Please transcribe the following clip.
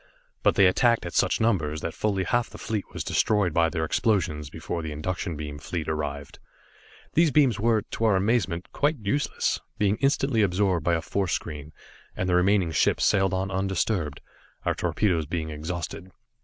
But, they attacked at such numbers that fully half the fleet was destroyed by their explosions before the induction beam fleet arrived. These beams were, to our amazement, quite useless, being instantly absorbed by a force screen, and the remaining ships sailed on undisturbed, our torpedoes being exhausted.